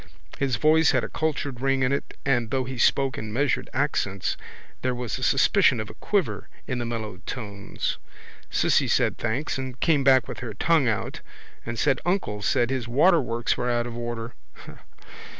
His voice had a cultured ring in it and though he spoke in measured accents there was a suspicion of a quiver in the mellow tones. Cissy said thanks and came back with her tongue out and said uncle said his waterworks were out of order.